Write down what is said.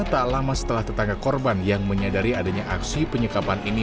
tak lama setelah tetangga korban yang menyadari adanya aksi penyekapan ini